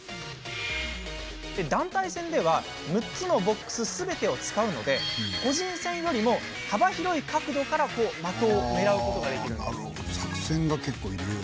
団体戦では６つのボックスすべてを使うので個人戦よりも幅広い角度から的を狙うことができるんです。